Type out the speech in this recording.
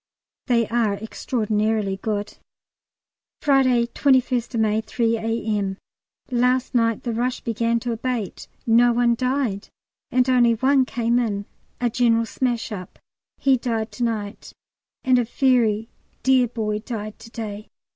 They are extraordinarily good. Friday, 21st May, 3 A.M. Last night the rush began to abate; no one died, and only one came in a general smash up; he died to night, and a very dear boy died to day.